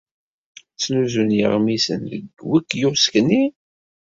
Ttnuzun yeɣmisen deg wekyusk-nni.